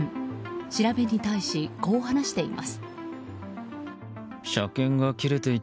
調べに対し、こう話しています。